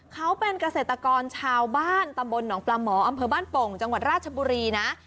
เขาเป็นเกษตรกรชาวบ้านตำบลหนองปลาหมออำเภอบ้านโป่งจังหวัดราชบุรีนะ